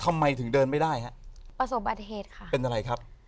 ทำไมถึงเดินไม่ได้ฮะประสบบัติเหตุค่ะเป็นอะไรครับ